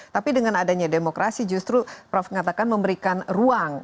tapi dengan adanya demokrasi justru prof mengatakan memberikan ruang